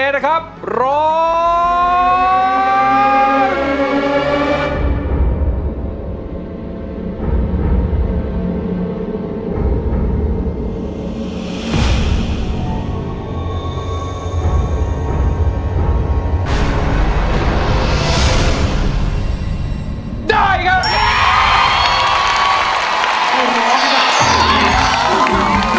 สู้ร้องได้ร้องได้ทีนี้